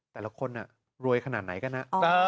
แต่ละคนรวยขนาดไหนกันนะ